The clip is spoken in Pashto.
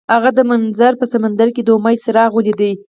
هغه د منظر په سمندر کې د امید څراغ ولید.